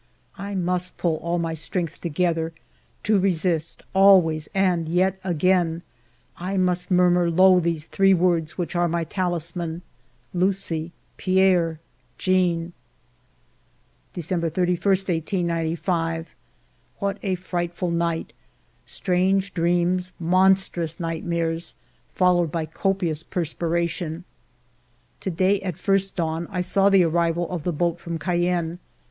I must pull all my strength together, to resist 1 88 FIVE YEARS OF MY LIFE always and yet again ; I must murmur low these three words which are my talisman, — Lucie, Pierre, Jeanne ! December 31, 1895. What a frightful night ! Strange dreams, mon strous nightmares, followed by copious perspiration. To day, at first dawn, I saw the arrival of the boat from Cayenne.